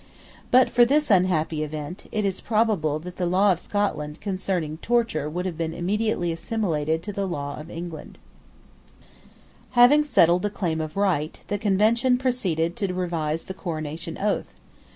But for this unhappy event, it is probable that the law of Scotland concerning torture would have been immediately assimilated to the law of England, Having settled the Claim of Right, the Convention proceeded to revise the Coronation oath.